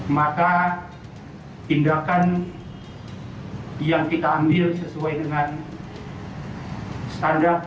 maka tindakan yang kita ambil sesuai dengan standar